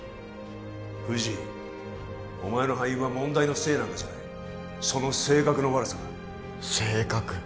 藤井お前の敗因は問題のせいなんかじゃないその性格の悪さだ性格？